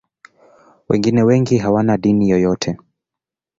Wengine wengi hawana dini yoyote.